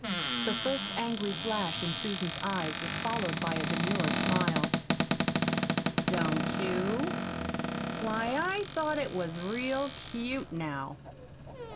The first angry flash in Susan's eyes was followed by a demure smile. "Don't you? Why, I thought it was real cute, now."